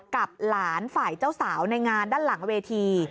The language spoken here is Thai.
กับหลานฝ่ายเจ้าสาวในงานด้านหลังเวที